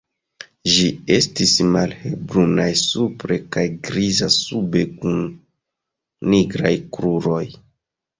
Ĝi estis malhelbrunaj supre kaj griza sube kun nigraj kruroj.